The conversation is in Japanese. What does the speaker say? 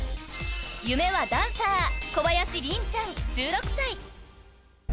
［夢はダンサー。小林凛ちゃん１６歳］